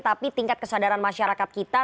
tapi tingkat kesadaran masyarakat kita